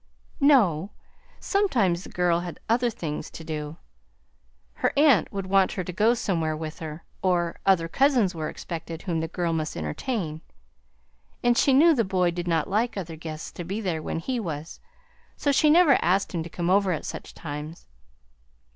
"No; sometimes the girl had other things to do. Her aunt would want her to go somewhere with her, or other cousins were expected whom the girl must entertain; and she knew the boy did not like other guests to be there when he was, so she never asked him to come over at such times.